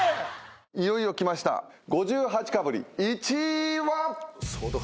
いよいよ来ました５８かぶり１位は？